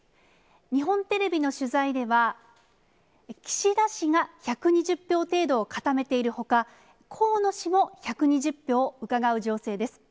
日本テレビの取材では、岸田氏が１２０票程度を固めているほか、河野氏も１２０票をうかがう情勢です。